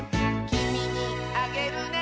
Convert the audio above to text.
「きみにあげるね」